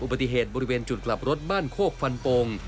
ปฏิเหตุบริเวณจุดกลับรถบ้านโคกฟันปง